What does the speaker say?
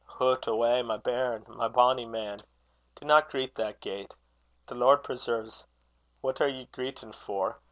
"Hoot awa! my bairn! my bonny man! Dinna greet that gait. The Lord preserve's! what are ye greetin' for?